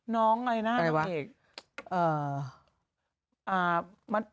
น้องไงน่ะ